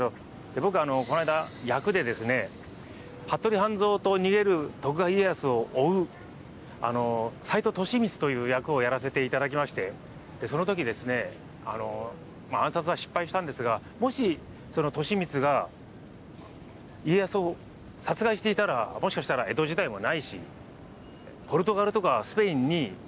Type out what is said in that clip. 僕この間役でですね服部半蔵と逃げる徳川家康を追う斎藤利三という役をやらせて頂きましてその時ですね暗殺は失敗したんですがもしその利三が家康を殺害していたらもしかしたら江戸時代もないしポルトガルとかスペインに。